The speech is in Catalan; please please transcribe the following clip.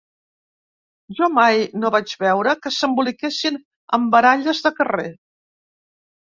Jo mai no vaig veure que s'emboliquessin en baralles de carrer.